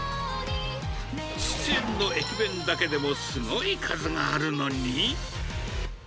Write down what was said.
実演の駅弁だけでもすごい数があるのに。